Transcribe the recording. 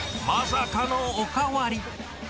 まさかのお代わり。